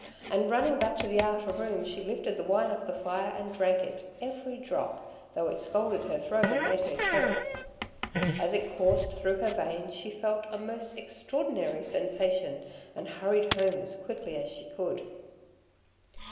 And running back to the outer room, she lifted the wine off the fire and drank it, every drop, though it scalded her throat and made her choke. As it coursed through her veins she felt a most extraordinary sensation, and hurried home as quickly as she could.